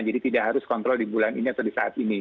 jadi tidak harus kontrol di bulan ini atau di saat ini